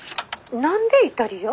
☎何でイタリア？